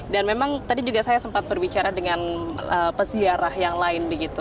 dan memang tadi juga saya sempat berbicara dengan pesiarah yang lain begitu